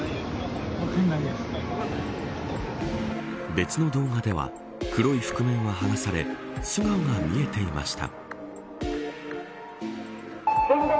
別の動画では黒い覆面は剥がされ素顔が見えていました。